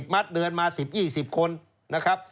มัดเดือนมา๑๐๒๐คนนะครับ